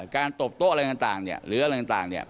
การตบโต๊ะอะไรต่างหรืออะไรต่าง